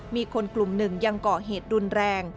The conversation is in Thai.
มีคนกลุ่มหนึ่งยังก่อเหตุรุนแรง